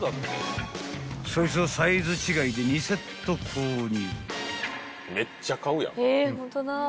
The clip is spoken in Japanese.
［そいつをサイズ違いで２セット購入］